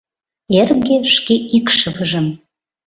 Эрге — шке икшывыжым.